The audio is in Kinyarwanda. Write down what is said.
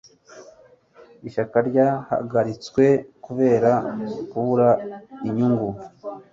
ishyaka ryahagaritswe kubera kubura inyungu